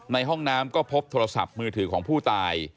ในห้องน้ำก็พบโทรศัพท์มือถือของผู้ตาย